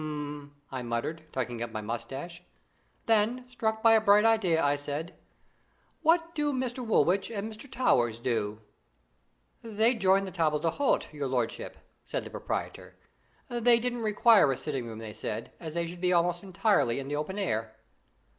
I muttered, tugging at my moustache. Then, struck by a bright idea, I said: "What do Mr. Woolwich and Mr. Towers do?" "They join the table d'hôte, your lordship," said the proprietor. "They didn't require a sitting room they said, as they should be almost entirely in the open air."